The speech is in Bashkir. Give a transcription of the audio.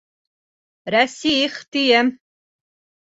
Рәсих, тием!..